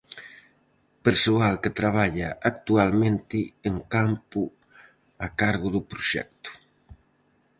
Persoal que traballa actualmente en campo a cargo do Proxecto.